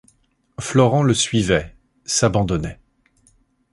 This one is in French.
Florent le suivait, s’abandonnait.